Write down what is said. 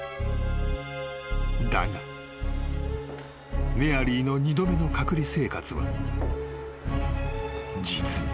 ［だがメアリーの二度目の隔離生活は実に］